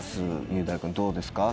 雄大君どうですか？